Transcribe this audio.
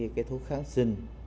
cái thuốc kháng sinh